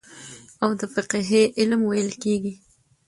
او د فقهي علم ويل کېږي.